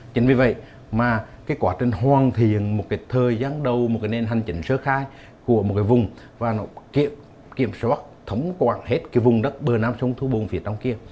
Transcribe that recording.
chính vì vậy mà cái quá trình hoàn thiện một cái thời gian đầu một cái nền hành trình sơ khai của một cái vùng và nó kiểm soát thống quản hết cái vùng đất bờ nam sông thu bồn phía trong kia